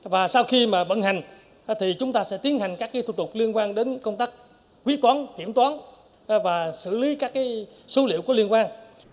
và sau khi vận hành thì chúng ta sẽ tiến hành các thủ tục liên quan đến công tác quý toán kiểm toán và xử lý các số liệu có liên quan